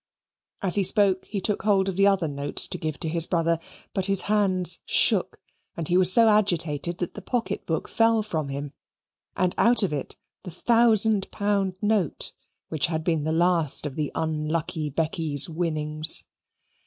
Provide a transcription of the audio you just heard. As he spoke he took hold of the other notes to give to his brother, but his hands shook, and he was so agitated that the pocket book fell from him, and out of it the thousand pound note which had been the last of the unlucky Becky's winnings.